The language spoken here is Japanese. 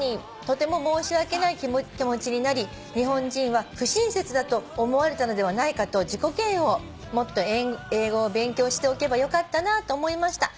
とても申し訳ない気持ちになり日本人は不親切だと思われたのではないかと自己嫌悪」「もっと英語を勉強しておけばよかったなと思いました」